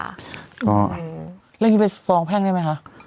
เรื่องนี้ไปฟ้องแพ่งได้ไหมคะ